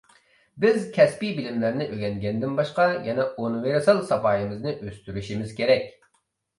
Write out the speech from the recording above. بىز كەسپىي بىلىملەرنى ئۆگەنگەندىن باشقا يەنە ئۇنىۋېرسال ساپايىمىزنى ئۆستۈرۈشىمىز كېرەك.